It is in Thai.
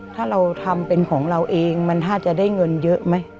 ถ้าเราทำเป็นของเราเองมันถ้าจะได้เงินเยอะไหม